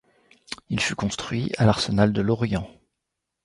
Il fut construit à l'arsenal de Lorient.